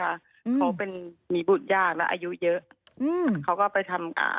เขาเป็นมีบุตรยากแล้วอายุเยอะอืมเขาก็ไปทำอ่า